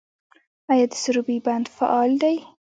آیا د سروبي بند فعال دی؟